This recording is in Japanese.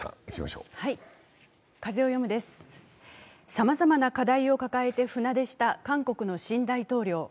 さまざまな課題を抱えて船出した韓国の新大統領。